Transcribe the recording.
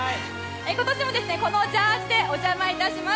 今年もこのジャージーでお邪魔いたします。